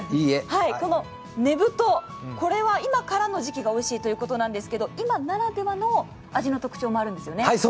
このねぶと、これは今からの時期がおいしいということなんですけど今ならではの味の特徴もあるんですよね？